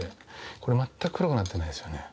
これ、全く黒くなってないですよね。